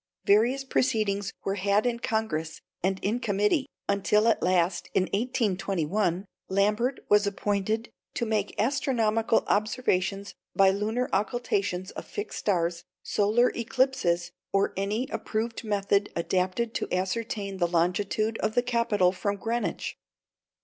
Various proceedings were had in Congress and in committee, until at last, in 1821, Lambert was appointed "to make astronomical observations by lunar occultations of fixed stars, solar eclipses, or any approved method adapted to ascertain the longitude of the Capitol from Greenwich."